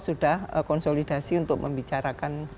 sudah konsolidasi untuk membicarakan